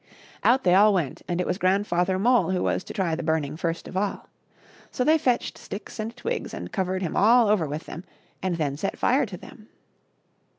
Out they all went, and it was Grandfather Mole who was to try the burning first of all. So they fetched sticks and twigs and covered him all over with them, and then set fire to them.